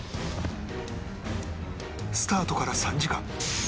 スタートから３時間